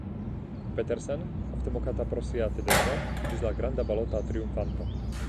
Petersen, ofte mokata pro sia tedeco, iĝis la granda balota triumfanto.